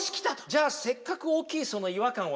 じゃあせっかく大きいその違和感をね